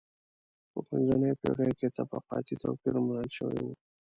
په منځنیو پېړیو کې طبقاتي توپیر منل شوی و.